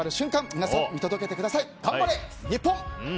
皆さん見届けてください。